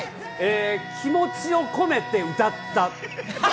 気持ちを込めて歌った。